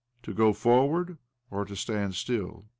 To go forward or to stand still?